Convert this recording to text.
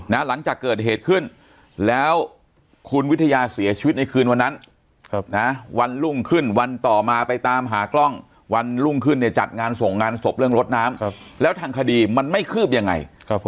หลังจากเกิดเหตุขึ้นแล้วคุณวิทยาเสียชีวิตในคืนวันนั้นวันรุ่งขึ้นวันต่อมาไปตามหากล้องวันรุ่งขึ้นเนี่ยจัดงานส่งงานศพเรื่องรถน้ำแล้วทางคดีมันไม่คืบยังไง